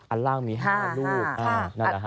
อันล่างมี๕ลูก